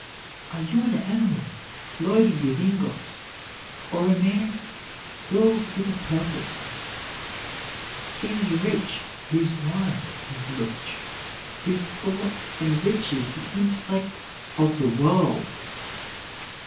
Are you an animal loaded with ingots, or a man filled with a purpose? He is rich whose mind is rich, whose thought enriches the intellect of the world.